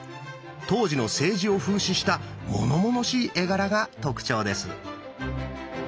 当時の政治を風刺したものものしい絵柄が特徴です。